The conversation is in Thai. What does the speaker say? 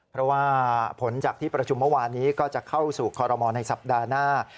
เพราะว่าผลจากที่ประชุมเมื่อวานนี้ก็จะเข้าสู่คอรมอลในสัปดาห์หน้า